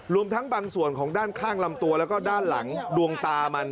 รวมทั้งบางส่วนของด้านข้างลำตัวแล้วก็ด้านหลังดวงตามัน